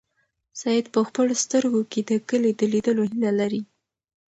سعید په خپلو سترګو کې د کلي د لیدلو هیله لري.